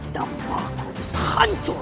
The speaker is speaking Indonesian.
nama aku akan sehancur